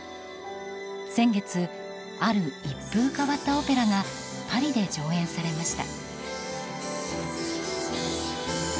先月、ある一風変わったオペラがパリで上演されました。